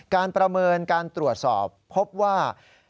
ประเมินการตรวจสอบพบว่า